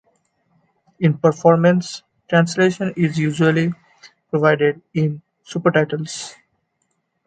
In performance, translation is usually provided in supertitles.